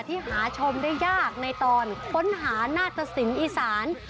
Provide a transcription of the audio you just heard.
ที่หาชมได้ยากในตอนค้นหาหน้าตะสินอีสาน